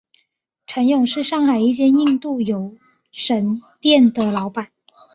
程勇是上海一间印度神油店的老板。